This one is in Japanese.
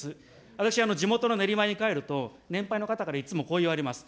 私、地元の練馬に帰ると年配の方からいつもこう言われます。